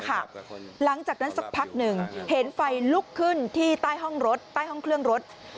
หลังจากนั้นสักพักหนึ่งเห็นไฟลุกขึ้นที่ใต้ห้องรถใต้ห้องเครื่องรถ